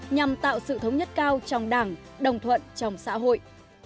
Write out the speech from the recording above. nhằm tạo sự thống nhất cao trong đảng đồng thuận trong xã hội